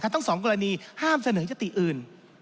ทั้ง๒กรณีห้ามเสนอยติอื่น